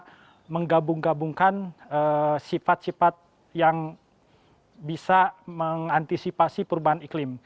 sekarang kami di brin menggabungkan sifat sifat yang bisa mengantisipasi perubahan iklim